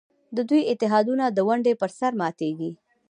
د دوی اتحادونه د ونډې پر سر ماتېږي.